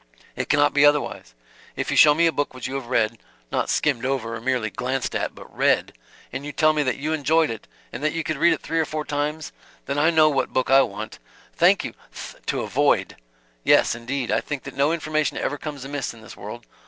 It cannot be otherwise. If you show me a book which you have read not skimmed over or merely glanced at, but read and you tell me that you enjoyed it and that you could read it three or four times, then I know what book I want " "Thank you! th " "to avoid. Yes indeed. I think that no information ever comes amiss in this world.